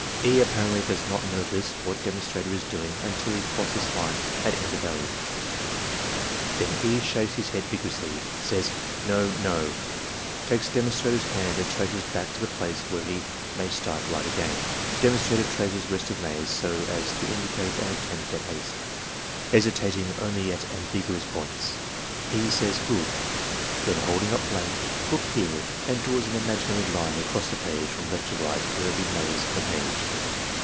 E. apparently does not notice what demonstrator is doing imtil he crosses line at end of alley; then E. shakes his head vigorously, says "No — no," takes demonstrator's hand and traces back to the place where he may start right again. Demonstrator traces rest of maze so as to indicate an attempt at haste, hesitating only at ambiguous points E. says "Good." Then, holding up blank, "Look here," and draws an imaginary line across the page from left to right for every maze on the page.